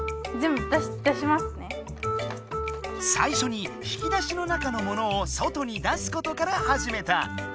さいしょに引き出しの中の物を外に出すことからはじめた。